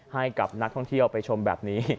ให้กับนักท่องเที่ยวไปชมแบบนี้